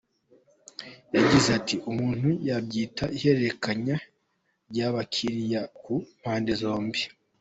Yagize ati ‘‘Umuntu yabyita ihererekanya ry’abakiliya ku mpande zombi.